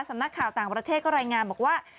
สำนักข่าวต่างประเทศก็รายงานบอกว่า